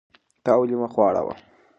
تا ولې مخ واړاوه؟